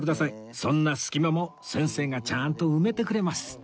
そんな隙間も先生がちゃんと埋めてくれます